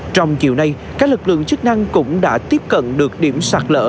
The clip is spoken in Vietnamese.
trong chiều nay các lực lượng chức năng cũng đã tiếp cận được điểm sạt lỡ